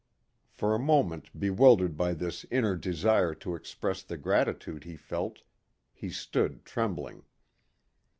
For a moment bewildered by this inner desire to express the gratitude he felt, he stood trembling.